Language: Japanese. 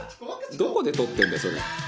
「どこで撮ってるんだよそれ」